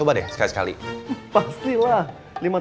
pastilah lima tahun